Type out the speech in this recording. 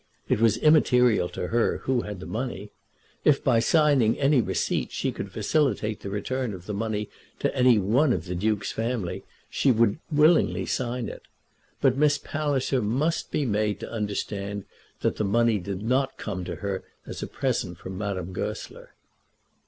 It was immaterial to her who had the money. If by signing any receipt she could facilitate the return of the money to any one of the Duke's family, she would willingly sign it. But Miss Palliser must be made to understand that the money did not come to her as a present from Madame Goesler.